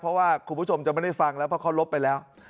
เพราะว่าคุณผู้ชมจะไม่ได้ฟังแล้วเพราะเขาลบไปแล้ว